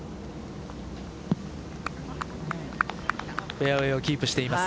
フェアウエーをキープしています。